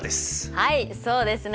はいそうですね！